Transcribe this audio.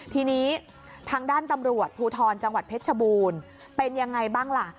ทีนี้ทางด้านตำรวจภูทรจังหวัดเพชรชบูรณ์เป็นยังไงบ้างล่ะ